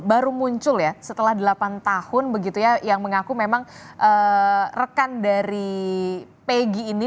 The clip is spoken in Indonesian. baru muncul ya setelah delapan tahun begitu ya yang mengaku memang rekan dari pegi ini